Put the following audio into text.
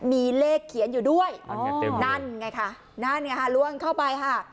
มีเลขเขียนอยู่ด้วยนั่นไงค่ะนั่นเนี่ยค่ะล่วงเข้าไปค่ะ